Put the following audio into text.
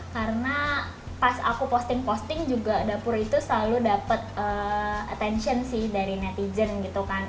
karena pas aku posting posting juga dapur itu selalu dapat attention sih dari netizen gitu kan